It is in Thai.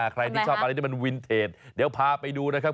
ใครที่ชอบอะไรที่มันวินเทจเดี๋ยวพาไปดูนะครับ